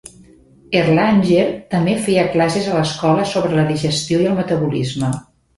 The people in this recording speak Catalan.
Erlanger també feia classes a l'escola sobre la digestió i el metabolisme.